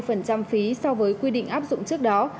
ba mươi phí so với quy định áp dụng trước đó